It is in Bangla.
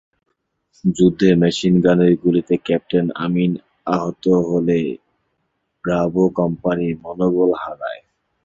যুদ্ধে মেশিনগানের গুলিতে ক্যাপ্টেন আমিন আহত হলে ব্রাভো কোম্পানি মনোবল হারায়।